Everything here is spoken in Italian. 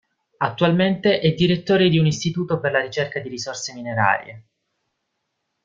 Attualmente è direttore di un istituto per la ricerca di risorse minerarie.